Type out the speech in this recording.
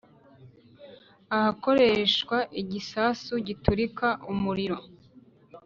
ahakoreshwa igisasu giturika umuriro